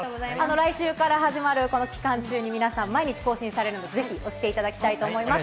来週から始まるこの期間中に皆様、毎日更新されるので、ぜひ押していただきたいと思います。